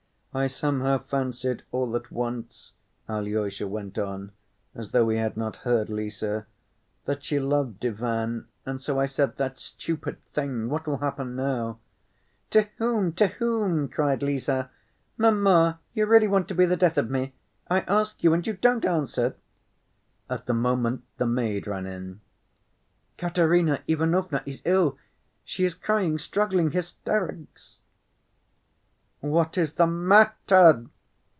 "I somehow fancied all at once," Alyosha went on as though he had not heard Lise, "that she loved Ivan, and so I said that stupid thing.... What will happen now?" "To whom, to whom?" cried Lise. "Mamma, you really want to be the death of me. I ask you and you don't answer." At the moment the maid ran in. "Katerina Ivanovna is ill.... She is crying, struggling ... hysterics." "What is the matter?"